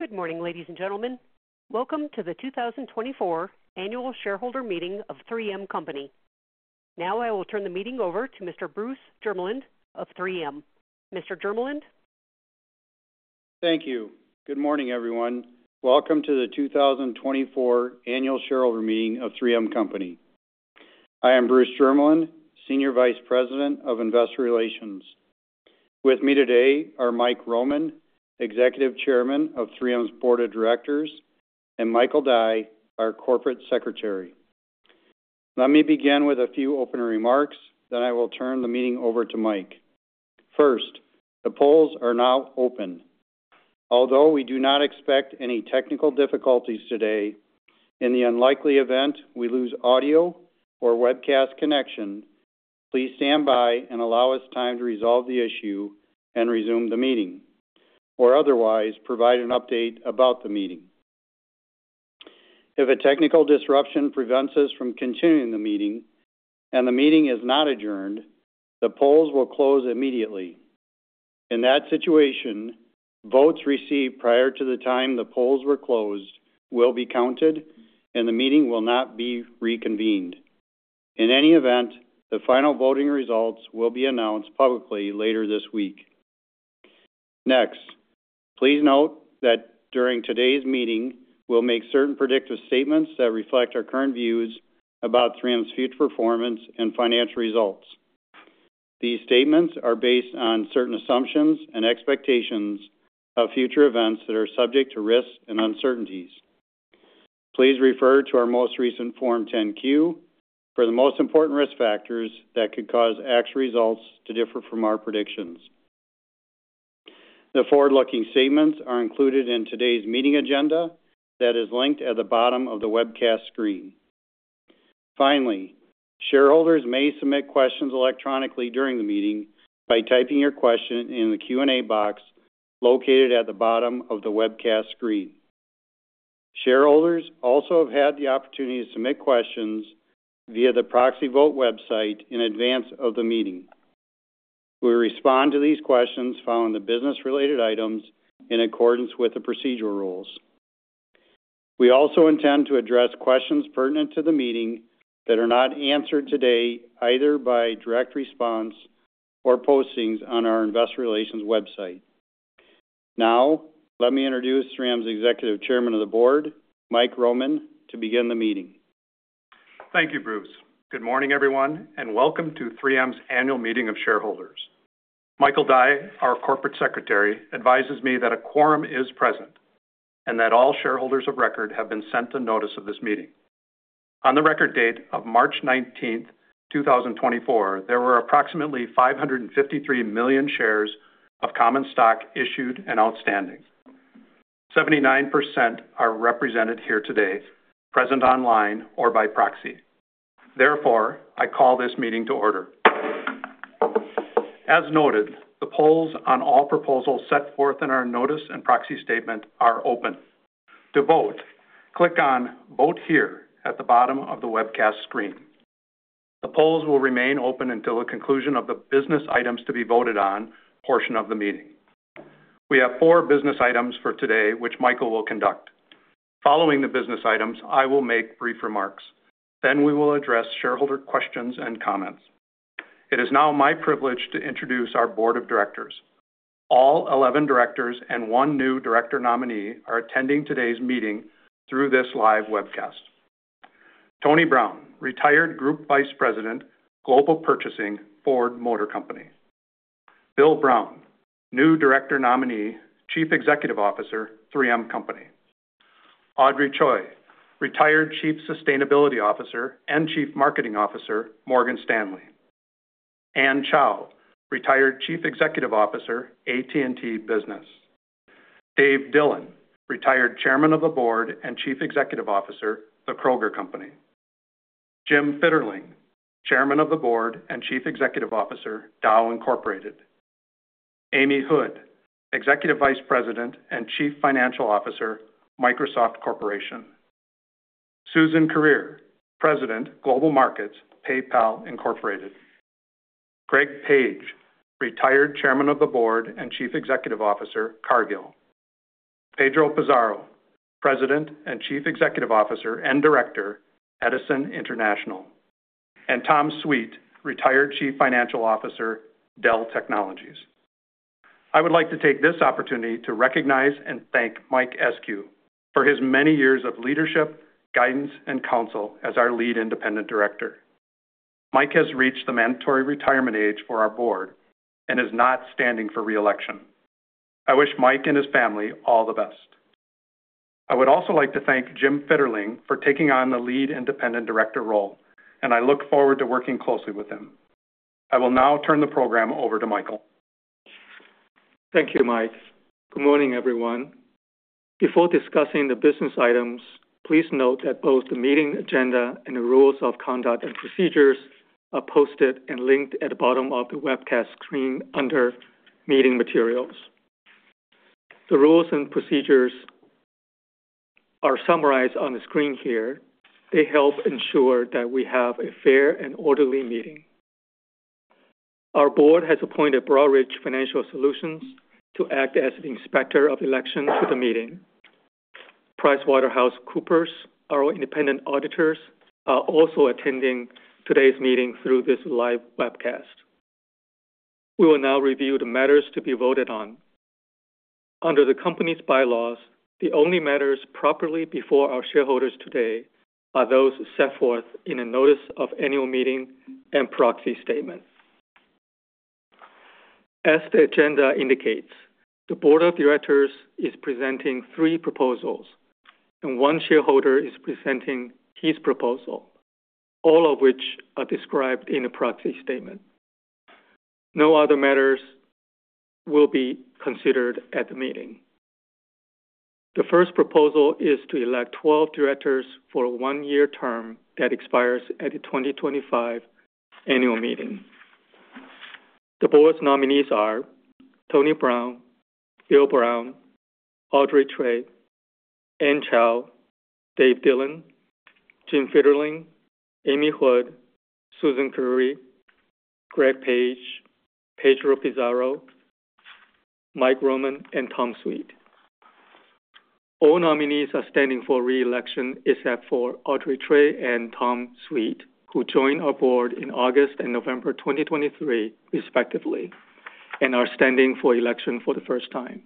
Good morning, ladies and gentlemen. Welcome to the 2024 annual shareholder meeting of 3M Company. Now I will turn the meeting over to Mr. Bruce Jermeland of 3M. Mr. Jermeland? Thank you. Good morning, everyone. Welcome to the 2024 annual shareholder meeting of 3M Company. I am Bruce Jermeland, Senior Vice President of Investor Relations. With me today are Mike Roman, Executive Chairman of 3M's Board of Directors, and Michael Duran, our Corporate Secretary. Let me begin with a few opening remarks, then I will turn the meeting over to Mike. First, the polls are now open. Although we do not expect any technical difficulties today, in the unlikely event we lose audio or webcast connection, please stand by and allow us time to resolve the issue and resume the meeting, or otherwise provide an update about the meeting. If a technical disruption prevents us from continuing the meeting and the meeting is not adjourned, the polls will close immediately. In that situation, votes received prior to the time the polls were closed will be counted, and the meeting will not be reconvened. In any event, the final voting results will be announced publicly later this week. Next, please note that during today's meeting we'll make certain predictive statements that reflect our current views about 3M's future performance and financial results. These statements are based on certain assumptions and expectations of future events that are subject to risks and uncertainties. Please refer to our most recent Form 10-Q for the most important risk factors that could cause actual results to differ from our predictions. The forward-looking statements are included in today's meeting agenda that is linked at the bottom of the webcast screen. Finally, shareholders may submit questions electronically during the meeting by typing your question in the Q&A box located at the bottom of the webcast screen. Shareholders also have had the opportunity to submit questions via the proxy vote website in advance of the meeting. We respond to these questions following the business-related items in accordance with the procedural rules. We also intend to address questions pertinent to the meeting that are not answered today either by direct response or postings on our Investor Relations website. Now let me introduce 3M's Executive Chairman of the Board, Mike Roman, to begin the meeting. Thank you, Bruce. Good morning, everyone, and welcome to 3M's annual meeting of shareholders. Michael Duran, our Corporate Secretary, advises me that a quorum is present and that all shareholders of record have been sent a notice of this meeting. On the record date of March 19, 2024, there were approximately 553 million shares of common stock issued and outstanding. 79% are represented here today, present online, or by proxy. Therefore, I call this meeting to order. As noted, the polls on all proposals set forth in our notice and proxy statement are open. To vote, click on "Vote Here" at the bottom of the webcast screen. The polls will remain open until the conclusion of the "Business Items to Be Voted On" portion of the meeting. We have four business items for today, which Michael will conduct. Following the business items, I will make brief remarks, then we will address shareholder questions and comments. It is now my privilege to introduce our Board of Directors. All 11 directors and one new director nominee are attending today's meeting through this live webcast. Thomas Brown, retired Group Vice President, Global Purchasing, Ford Motor Company. Bill Brown, new director nominee, Chief Executive Officer, 3M Company. Audrey Choi, retired Chief Sustainability Officer and Chief Marketing Officer, Morgan Stanley. Anne Chow, retired Chief Executive Officer, AT&T Business. Dave Dillon, retired Chairman of the Board and Chief Executive Officer, The Kroger Company. Jim Fitterling, Chairman of the Board and Chief Executive Officer, Dow Incorporated. Amy Hood, Executive Vice President and Chief Financial Officer, Microsoft Corporation. Suzan Kilsby, President, Global Markets, PayPal, Incorporated. Greg Page, retired Chairman of the Board and Chief Executive Officer, Cargill. Pedro Pizarro, President and Chief Executive Officer and Director, Edison International. And Tom Sweet, retired Chief Financial Officer, Dell Technologies. I would like to take this opportunity to recognize and thank Mike Eskew for his many years of leadership, guidance, and counsel as our lead independent director. Mike has reached the mandatory retirement age for our board and is not standing for reelection. I wish Mike and his family all the best. I would also like to thank Jim Fitterling for taking on the lead independent director role, and I look forward to working closely with him. I will now turn the program over to Michael. Thank you, Mike. Good morning, everyone. Before discussing the business items, please note that both the meeting agenda and the rules of conduct and procedures are posted and linked at the bottom of the webcast screen under "Meeting Materials." The rules and procedures are summarized on the screen here. They help ensure that we have a fair and orderly meeting. Our board has appointed Broadridge Financial Solutions to act as the inspector of election to the meeting. PricewaterhouseCoopers, our independent auditors, are also attending today's meeting through this live webcast. We will now review the matters to be voted on. Under the company's bylaws, the only matters properly before our shareholders today are those set forth in a notice of annual meeting and proxy statement. As the agenda indicates, the Board of Directors is presenting three proposals, and one shareholder is presenting his proposal, all of which are described in a proxy statement. No other matters will be considered at the meeting. The first proposal is to elect 12 directors for a one-year term that expires at the 2025 annual meeting. The board's nominees are Thomas Brown, Bill Brown, Audrey Choi, Anne Chow, David Dillon, James Fitterling, Amy Hood, Suzan Kilsby, Gregory Page, Pedro Pizarro, Mike Roman, and Thomas Sweet. All nominees are standing for reelection except for Audrey Choi and Thomas Sweet, who joined our board in August and November 2023, respectively, and are standing for election for the first time.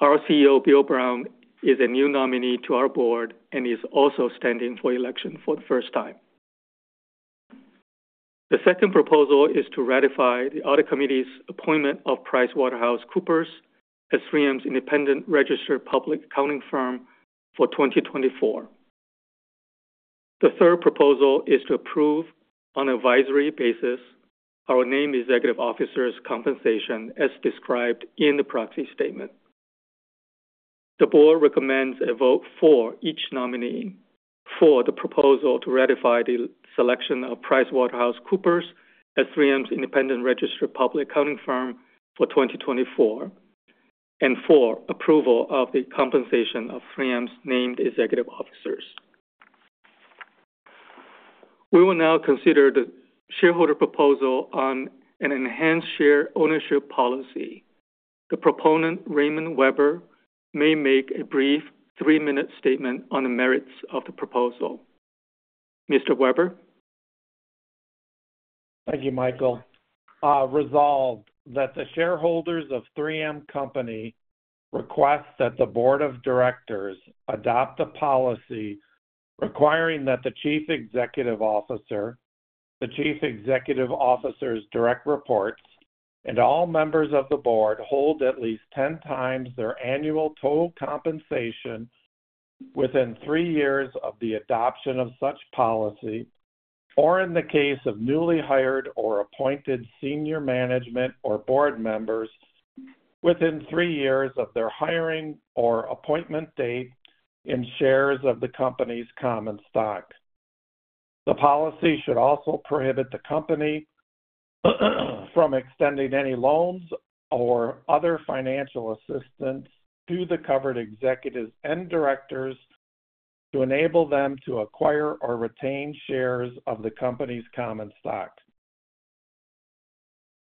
Our CEO, Bill Brown, is a new nominee to our board and is also standing for election for the first time. The second proposal is to ratify the Audit Committee's appointment of PricewaterhouseCoopers as 3M's independent registered public accounting firm for 2024. The third proposal is to approve, on an advisory basis, our named executive officer's compensation as described in the proxy statement. The board recommends a vote for each nominee: for the proposal to ratify the selection of PricewaterhouseCoopers as 3M's independent registered public accounting firm for 2024, and for approval of the compensation of 3M's named executive officers. We will now consider the shareholder proposal on an enhanced share ownership policy. The proponent, Raymond Weber, may make a brief three-minute statement on the merits of the proposal. Mr. Weber? Thank you, Michael. Resolved that the shareholders of 3M Company request that the Board of Directors adopt a policy requiring that the Chief Executive Officer, the Chief Executive Officer's direct reports, and all members of the board hold at least 10x their annual total compensation within three years of the adoption of such policy, or in the case of newly hired or appointed senior management or board members, within three years of their hiring or appointment date in shares of the company's common stock. The policy should also prohibit the company from extending any loans or other financial assistance to the covered executives and directors to enable them to acquire or retain shares of the company's common stock.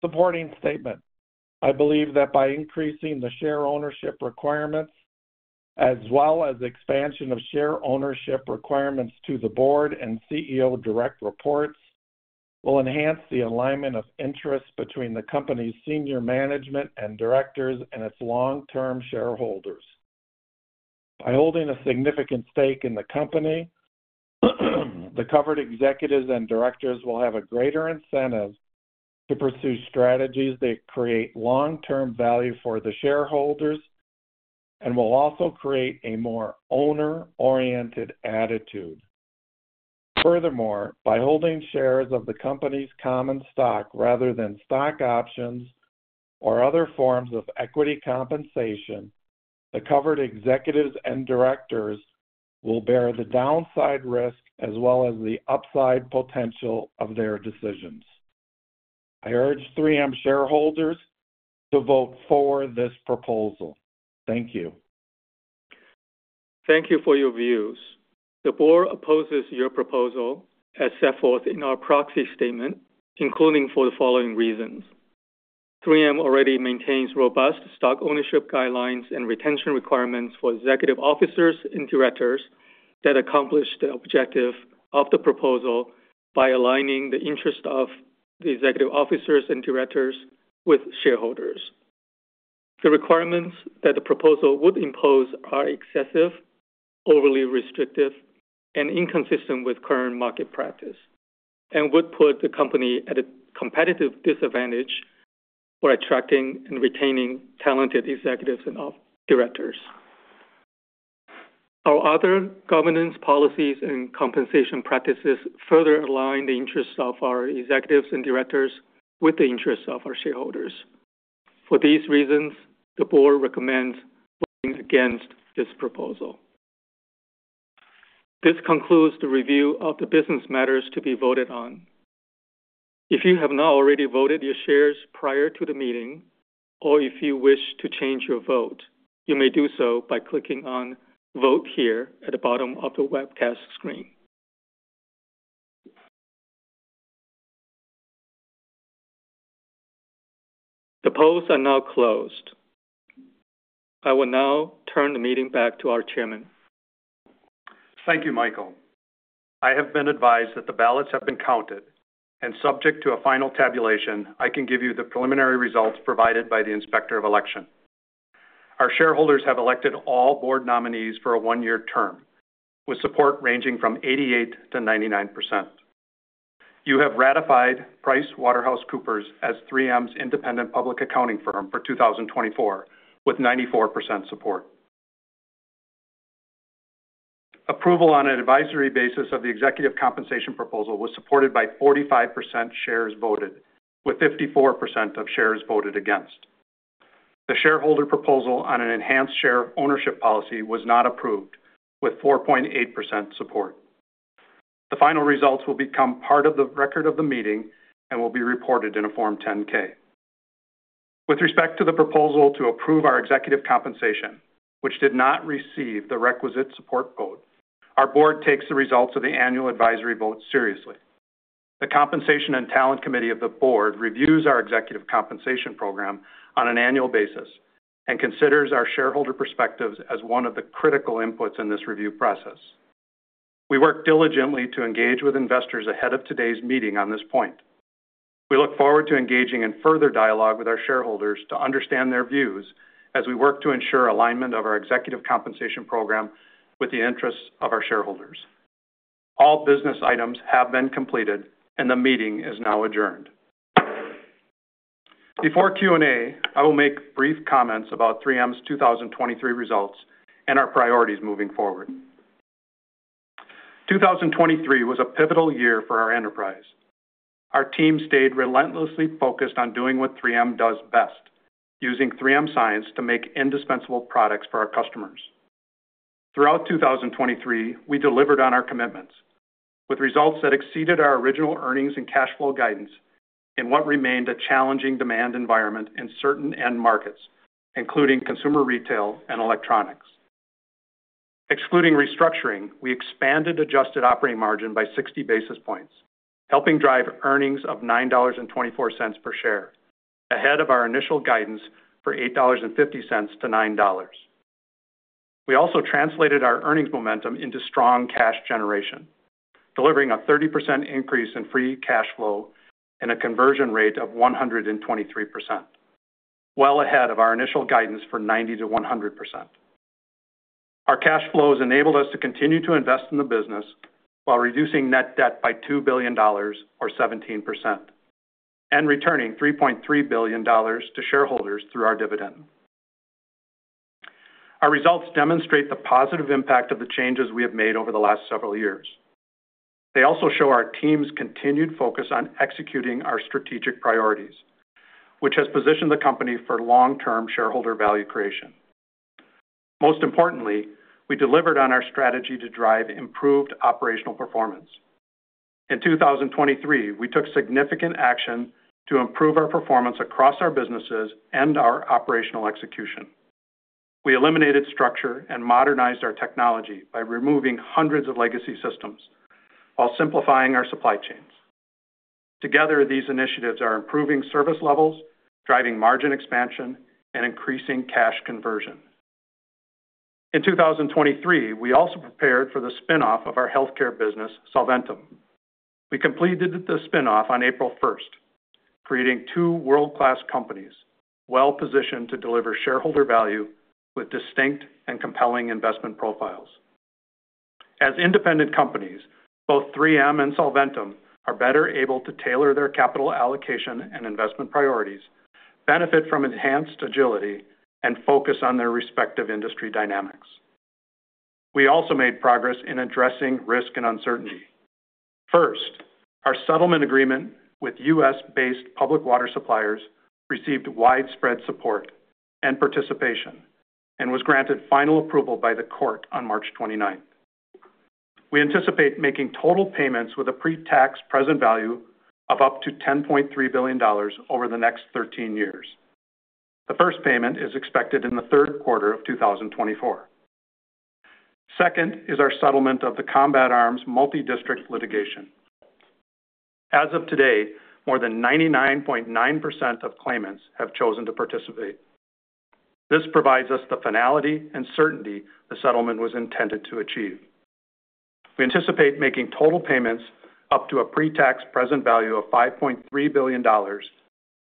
Supporting statement: I believe that by increasing the share ownership requirements as well as expansion of share ownership requirements to the board and CEO direct reports will enhance the alignment of interests between the company's senior management and directors and its long-term shareholders. By holding a significant stake in the company, the covered executives and directors will have a greater incentive to pursue strategies that create long-term value for the shareholders and will also create a more owner-oriented attitude. Furthermore, by holding shares of the company's common stock rather than stock options or other forms of equity compensation, the covered executives and directors will bear the downside risk as well as the upside potential of their decisions. I urge 3M shareholders to vote for this proposal. Thank you. Thank you for your views. The board opposes your proposal as set forth in our proxy statement, including for the following reasons. 3M already maintains robust stock ownership guidelines and retention requirements for executive officers and directors that accomplish the objective of the proposal by aligning the interests of the executive officers and directors with shareholders. The requirements that the proposal would impose are excessive, overly restrictive, and inconsistent with current market practice, and would put the company at a competitive disadvantage for attracting and retaining talented executives and directors. Our other governance policies and compensation practices further align the interests of our executives and directors with the interests of our shareholders. For these reasons, the board recommends voting against this proposal. This concludes the review of the business matters to be voted on. If you have not already voted your shares prior to the meeting, or if you wish to change your vote, you may do so by clicking on "Vote Here" at the bottom of the webcast screen. The polls are now closed. I will now turn the meeting back to our chairman. Thank you, Michael. I have been advised that the ballots have been counted, and subject to a final tabulation, I can give you the preliminary results provided by the inspector of election. Our shareholders have elected all board nominees for a one-year term, with support ranging from 88%-99%. You have ratified PricewaterhouseCoopers as 3M's independent public accounting firm for 2024 with 94% support. Approval on an advisory basis of the executive compensation proposal was supported by 45% shares voted, with 54% of shares voted against. The shareholder proposal on an enhanced share ownership policy was not approved, with 4.8% support. The final results will become part of the record of the meeting and will be reported in a Form 10-K. With respect to the proposal to approve our executive compensation, which did not receive the requisite support vote, our board takes the results of the annual advisory vote seriously. The Compensation and Talent Committee of the board reviews our executive compensation program on an annual basis and considers our shareholder perspectives as one of the critical inputs in this review process. We work diligently to engage with investors ahead of today's meeting on this point. We look forward to engaging in further dialogue with our shareholders to understand their views as we work to ensure alignment of our executive compensation program with the interests of our shareholders. All business items have been completed, and the meeting is now adjourned. Before Q&A, I will make brief comments about 3M's 2023 results and our priorities moving forward. 2023 was a pivotal year for our enterprise. Our team stayed relentlessly focused on doing what 3M does best, using 3M science to make indispensable products for our customers. Throughout 2023, we delivered on our commitments, with results that exceeded our original earnings and cash flow guidance in what remained a challenging demand environment in certain end markets, including consumer retail and electronics. Excluding restructuring, we expanded adjusted operating margin by 60 basis points, helping drive earnings of $9.24 per share, ahead of our initial guidance for $8.50-$9. We also translated our earnings momentum into strong cash generation, delivering a 30% increase in free cash flow and a conversion rate of 123%, well ahead of our initial guidance for 90%-100%. Our cash flows enabled us to continue to invest in the business while reducing net debt by $2 billion, or 17%, and returning $3.3 billion to shareholders through our dividend. Our results demonstrate the positive impact of the changes we have made over the last several years. They also show our team's continued focus on executing our strategic priorities, which has positioned the company for long-term shareholder value creation. Most importantly, we delivered on our strategy to drive improved operational performance. In 2023, we took significant action to improve our performance across our businesses and our operational execution. We eliminated structure and modernized our technology by removing hundreds of legacy systems while simplifying our supply chains. Together, these initiatives are improving service levels, driving margin expansion, and increasing cash conversion. In 2023, we also prepared for the spinoff of our healthcare business, Solventum. We completed the spinoff on April 1st, creating two world-class companies well positioned to deliver shareholder value with distinct and compelling investment profiles. As independent companies, both 3M and Solventum are better able to tailor their capital allocation and investment priorities, benefit from enhanced agility, and focus on their respective industry dynamics. We also made progress in addressing risk and uncertainty. First, our settlement agreement with U.S.-based public water suppliers received widespread support and participation and was granted final approval by the court on March 29th. We anticipate making total payments with a pre-tax present value of up to $10.3 billion over the next 13 years. The first payment is expected in the third quarter of 2024. Second is our settlement of the Combat Arms Multidistrict Litigation. As of today, more than 99.9% of claimants have chosen to participate. This provides us the finality and certainty the settlement was intended to achieve. We anticipate making total payments up to a pre-tax present value of $5.3 billion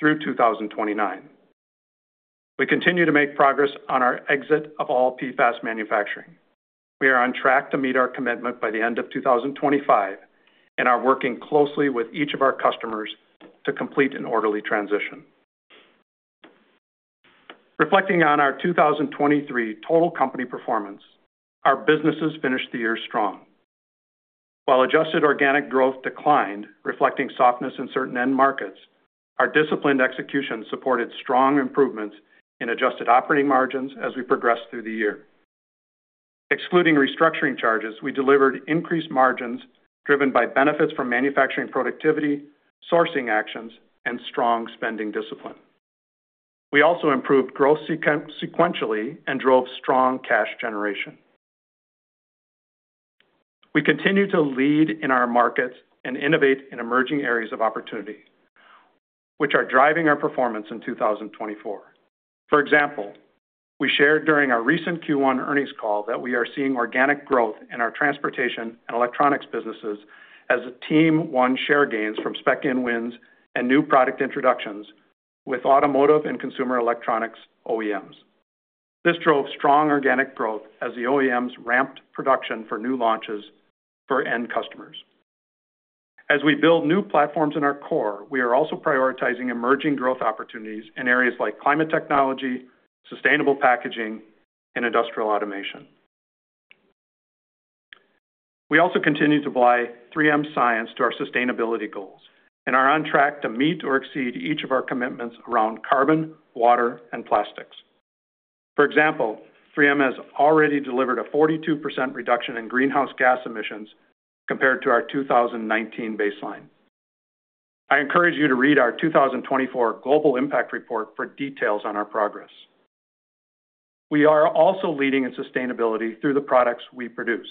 through 2029. We continue to make progress on our exit of all PFAS manufacturing. We are on track to meet our commitment by the end of 2025, and are working closely with each of our customers to complete an orderly transition. Reflecting on our 2023 total company performance, our businesses finished the year strong. While Adjusted Organic Growth declined, reflecting softness in certain end markets, our disciplined execution supported strong improvements in Adjusted Operating Margins as we progressed through the year. Excluding restructuring charges, we delivered increased margins driven by benefits from manufacturing productivity, sourcing actions, and strong spending discipline. We also improved growth sequentially and drove strong cash generation. We continue to lead in our markets and innovate in emerging areas of opportunity, which are driving our performance in 2024. For example, we shared during our recent Q1 earnings call that we are seeing organic growth in our transportation and electronics businesses as a team won share gains from spec-in wins and new product introductions with automotive and consumer electronics OEMs. This drove strong organic growth as the OEMs ramped production for new launches for end customers. As we build new platforms in our core, we are also prioritizing emerging growth opportunities in areas like climate technology, sustainable packaging, and industrial automation. We also continue to apply 3M science to our sustainability goals and are on track to meet or exceed each of our commitments around carbon, water, and plastics. For example, 3M has already delivered a 42% reduction in greenhouse gas emissions compared to our 2019 baseline. I encourage you to read our 2024 Global Impact Report for details on our progress. We are also leading in sustainability through the products we produce.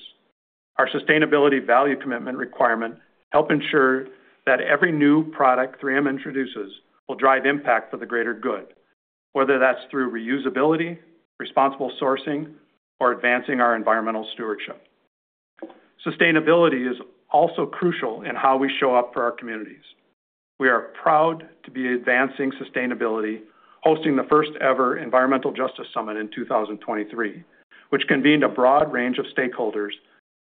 Our Sustainability Value Commitment requirement helps ensure that every new product 3M introduces will drive impact for the greater good, whether that's through reusability, responsible sourcing, or advancing our environmental stewardship. Sustainability is also crucial in how we show up for our communities. We are proud to be advancing sustainability, hosting the first-ever Environmental Justice Summit in 2023, which convened a broad range of stakeholders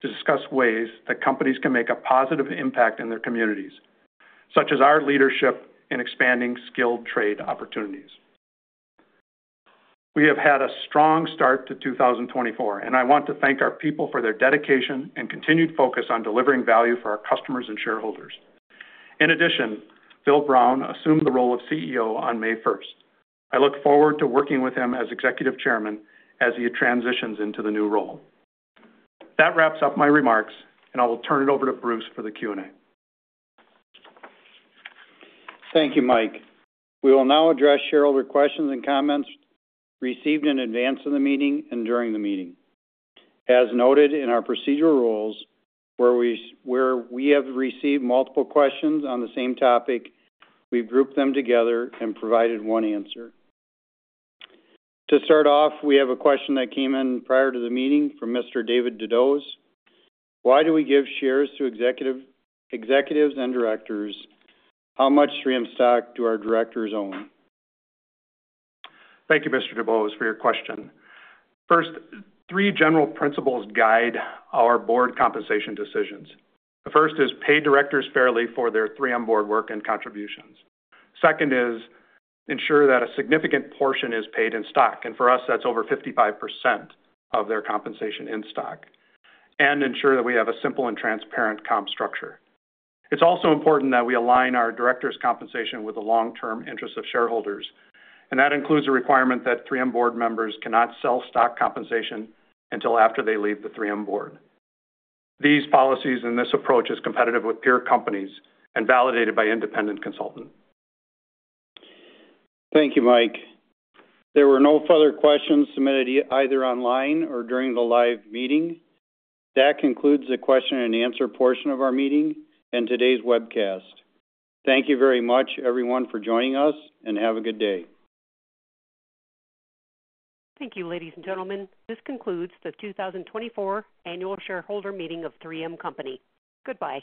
to discuss ways that companies can make a positive impact in their communities, such as our leadership in expanding skilled trade opportunities. We have had a strong start to 2024, and I want to thank our people for their dedication and continued focus on delivering value for our customers and shareholders. In addition, Bill Brown assumed the role of CEO on May 1st. I look forward to working with him as Executive Chairman as he transitions into the new role. That wraps up my remarks, and I will turn it over to Bruce for the Q&A. Thank you, Mike. We will now address shareholder questions and comments received in advance of the meeting and during the meeting. As noted in our procedural rules, where we have received multiple questions on the same topic, we've grouped them together and provided one answer. To start off, we have a question that came in prior to the meeting from Mr. David DeDiu: Why do we give shares to executives and directors? How much 3M stock do our directors own? Thank you, Mr. DeDiu, for your question. First, three general principles guide our board compensation decisions. The first is pay directors fairly for their 3M board work and contributions. Second is ensure that a significant portion is paid in stock, and for us, that's over 55% of their compensation in stock, and ensure that we have a simple and transparent comp structure. It's also important that we align our directors' compensation with the long-term interests of shareholders, and that includes a requirement that 3M board members cannot sell stock compensation until after they leave the 3M board. These policies and this approach are competitive with peer companies and validated by independent consultants. Thank you, Mike. There were no further questions submitted either online or during the live meeting. That concludes the question-and-answer portion of our meeting and today's webcast. Thank you very much, everyone, for joining us, and have a good day. Thank you, ladies and gentlemen. This concludes the 2024 annual shareholder meeting of 3M Company. Goodbye.